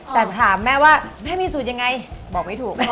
แต่ถามแม่ว่าแม่มีสูตรยังไงบอกไม่ถูก